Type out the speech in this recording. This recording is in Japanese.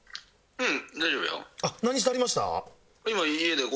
「うん」